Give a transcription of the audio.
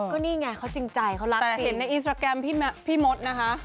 ก็นี่ไงเขาจริงใจเขารักแต่เห็นในอินสตราแกรมพี่มดนะคะ